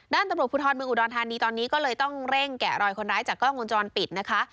ตำรวจภูทรเมืองอุดรธานีตอนนี้ก็เลยต้องเร่งแกะรอยคนร้ายจากกล้องวงจรปิดนะคะ